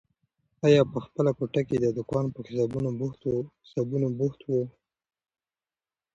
اغا په خپله کوټه کې د دوکان په حسابونو بوخت و.